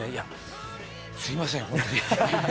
すみません、本当に。